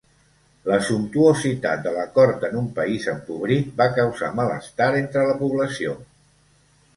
La sumptuositat de la Cort en un país empobrit va causar malestar entre la població.